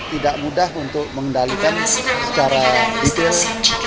tidak mudah untuk mengendalikan secara detail